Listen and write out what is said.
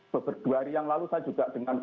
beberapa hari yang lalu saya juga dengan